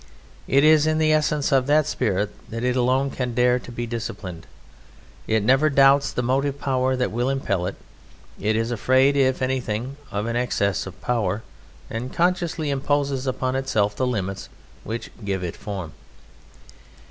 It is in the essence of that spirit that it alone can dare to be disciplined. It never doubts the motive power that will impel it; it is afraid, if anything, of an excess of power, and consciously imposes upon itself the limits which give it form.